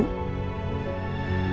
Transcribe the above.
meskipun dalam hati